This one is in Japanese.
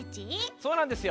そうなんですよ。